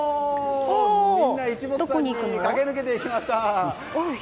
みんな一目散に駆け抜けていきました。